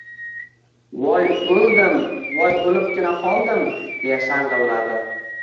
— Voy o‘ldim, voy o‘libgina qoldim, — deya shang‘illadi.